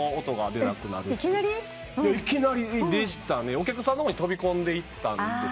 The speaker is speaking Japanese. お客さんの方に飛びこんでいったんですよ。